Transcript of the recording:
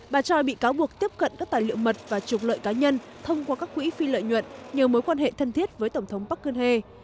bà choi bị cáo buộc tiếp cận các tài liệu mật và trục lợi cá nhân thông qua các quỹ phi lợi nhuận nhờ mối quan hệ thân thiết với tổng thống parkene